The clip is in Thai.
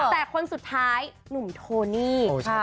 แต่คนสุดท้ายหนุ่มโทนี่